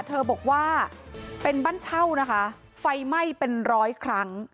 เธอบอกว่าเป็นบ้านเช่านะคะไฟไหม้เป็นร้อยครั้ง